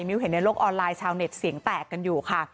เห็นในโลกออนไลน์ชาวเน็ตเสียงแตกกันอยู่ค่ะ